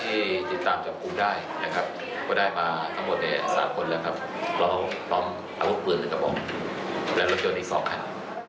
๓คนแล้วครับพร้อมเอารถปืนกับผมแล้วรถยนต์อีก๒ครับ